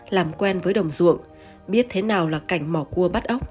làm quen với đồng ruộng biết thế nào là cảnh mò cua bắt ốc